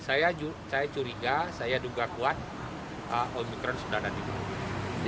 saya curiga saya duga kuat omikron sudah ada di dunia